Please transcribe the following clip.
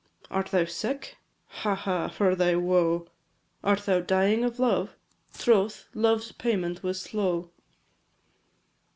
Art thou sick? Ha, ha, for thy woe! Art thou dying for love? Troth, love's payment was slow."